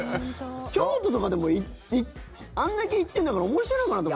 京都とかでもあんだけ行ってんだから面白いのかなと。